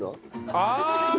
ああ！